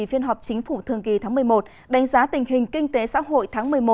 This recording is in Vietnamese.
phiên họp chính phủ thường kỳ tháng một mươi một đánh giá tình hình kinh tế xã hội tháng một mươi một